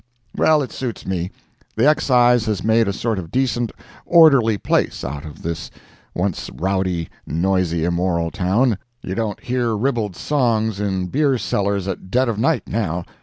Well, it suits me. The excise has made a sort of decent, orderly place out of this once rowdy, noisy, immoral town. You don't hear ribald songs in beer cellars at dead of night now.